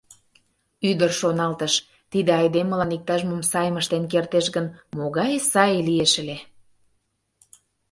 Ӱдыр шоналтыш: тиде айдемылан иктаж-мом сайым ыштен кертеш гын, могай сай лиеш ыле!